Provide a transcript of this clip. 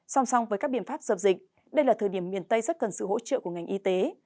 song song với các biện pháp dập dịch đây là thời điểm miền tây rất cần sự hỗ trợ của ngành y tế